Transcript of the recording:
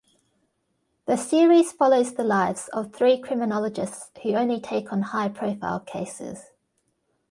The series follows the lives of three criminologists who only take on high-profile cases.